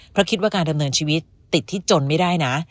เพราะคิดว่าการดำเนินชีวิตติดที่จนไม่ได้นะ